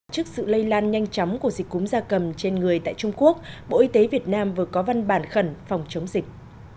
trước sự lây lan nhanh chóng của dịch cúm da cầm trên người tại trung quốc bộ y tế việt nam vừa có văn bản khẩn phòng chống dịch